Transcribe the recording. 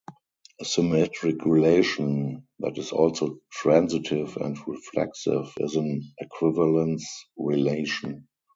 A symmetric relation that is also transitive and reflexive is an equivalence relation.